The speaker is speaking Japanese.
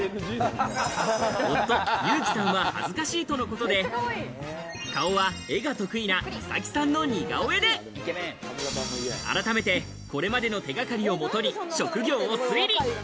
夫・ユウキさんは恥ずかしいとのことで、顔は絵が得意なミサキさんの似顔絵で改めて、これまでの手掛かりをもとに職業を推理！